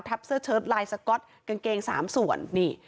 เสื้อเชิดลายสก๊อตกางเกง๓ส่วนนี่